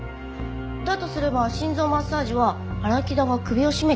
だとすれば心臓マッサージは荒木田が首を絞めたあと。